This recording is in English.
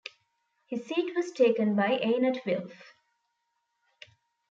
His seat was taken by Einat Wilf.